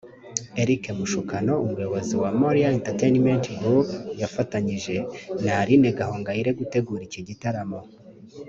Eric Mashukano umuyobozi wa Moriah Entertainment group yafatanyije na Aline Gahongayire gutegura iki gitaramo